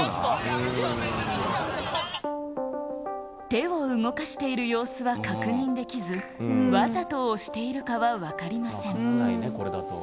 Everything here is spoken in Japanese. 手を動かしている様子は確認できず、わざと押しているかは分かりません。